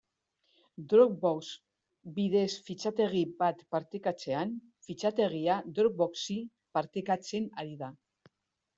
Dropbox bidez fitxategi bat partekatzean, fitxategia Dropboxi partekatzen ari da.